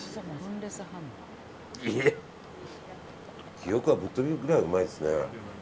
記憶がぶっ飛ぶくらいうまいですね。